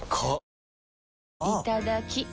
いただきっ！